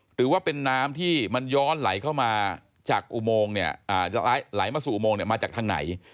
หรือว่าเป็นน้ำที่มันย้อนไหลเข้ามาจากอุโมงเนี่ยจะไหลมาสู่อุโมงมาจากทางไหน